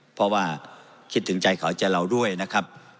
เพราะว่าคิดถึงใจเขาใจเราด้วยนะครับ